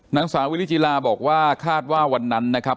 นางสาววิริจิลาบอกว่าคาดว่าวันนั้นนะครับ